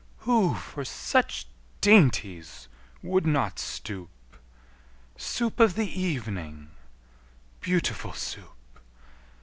Who for such dainties would not stoop? Soup of the evening, beautiful Soup!